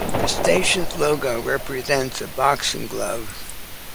The station's logo represents a boxing glove.